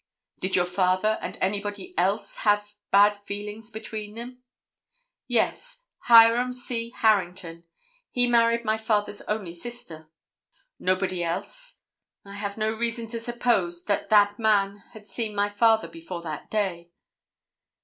"Did your father and anybody else have bad feelings between them?" "Yes, Hiram C. Harrington. He married my father's only sister." "Nobody else?" "I have no reason to suppose that that man had seen my father before that day."